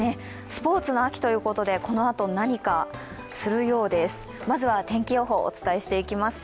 スポーツの秋ということで、このあと何かするようです。